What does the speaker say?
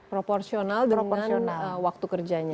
proporsional dengan waktu kerjanya